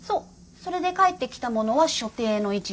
それで返ってきたものは所定の位置に戻す。